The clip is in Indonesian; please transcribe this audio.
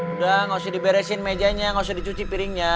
udah gak usah diberesin mejanya gak usah dicuci piringnya